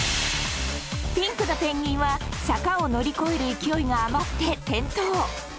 ピンクのペンギンは坂を乗り越える勢いが余って転倒。